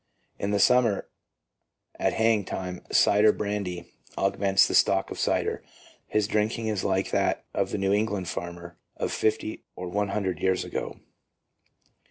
In the summer, at haying time, cider brandy augments the stock of cider. His drinking is like that of the New England farmer of fifty or one hundred years ago.